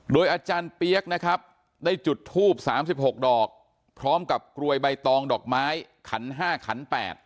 อาจารย์เปี๊ยกนะครับได้จุดทูบ๓๖ดอกพร้อมกับกรวยใบตองดอกไม้ขัน๕ขัน๘